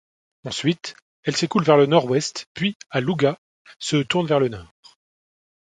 Ensuite, elle s'écoule vers le nord-ouest, puis à Louga se tourne vers le nord.